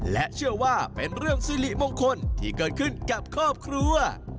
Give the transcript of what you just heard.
และเชื่อว่าเป็นเรื่องสิริมงคลที่เกิดขึ้นกับครอบครัว